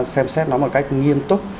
xem xét nó một cách nghiên túc